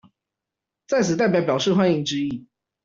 在此代表表示歡迎之意